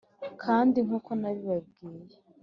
kandi nkuko nabibabwiye